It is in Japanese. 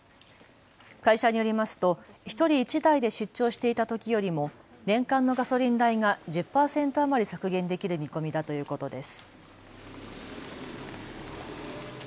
会社によりますと１人１台で出張していたときよりも年間のガソリン代が１０％余り削減できる見込みだということです。